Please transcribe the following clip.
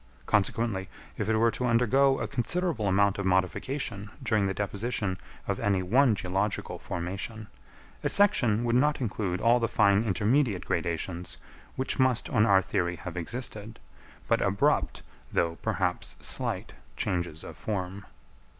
Consequently if it were to undergo a considerable amount of modification during the deposition of any one geological formation, a section would not include all the fine intermediate gradations which must on our theory have existed, but abrupt, though perhaps slight, changes of form.